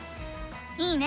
いいね！